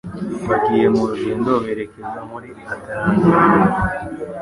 Baragiye mu rugendo berekeza muri Antaragitika